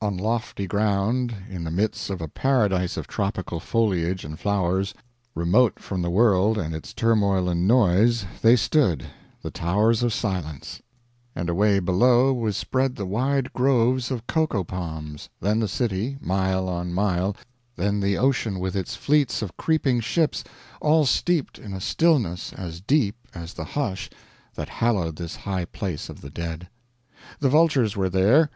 On lofty ground, in the midst of a paradise of tropical foliage and flowers, remote from the world and its turmoil and noise, they stood the Towers of Silence; and away below was spread the wide groves of cocoa palms, then the city, mile on mile, then the ocean with its fleets of creeping ships all steeped in a stillness as deep as the hush that hallowed this high place of the dead. The vultures were there.